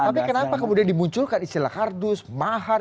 tapi kenapa kemudian dimunculkan istilah kardus mahar